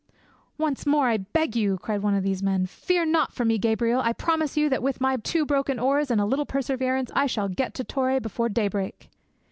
"Once more, I beg you," cried one of these men, "fear not for me, Gabriel; I promise you that with my two broken oars and a little perseverance I shall get to Torre before daybreak."